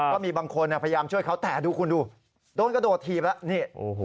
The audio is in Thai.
ก็มีบางคนพยายามช่วยเขาแต่ดูคุณดูโดนกระโดดถีบแล้วนี่